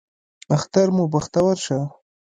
اختر مو بختور شه